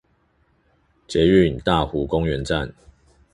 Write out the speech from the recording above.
捷運大湖公園站